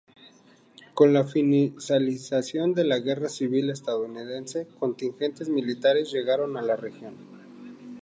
Con la finalización de la Guerra Civil Estadounidense contingentes militares llegaron a la región.